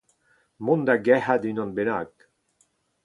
mont da gerc'hat unan bennak